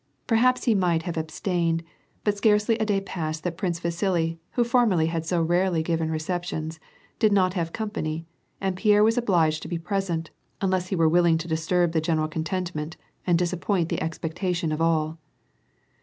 Perhaps he might have abstained, but scarcely a day passed that Prince Vasili — who formerly had so rarely given recej)tions — did not have company, and Pierre was obliged to be present, unless he were willing to disturb the general contentment and disappoint the expectation of all.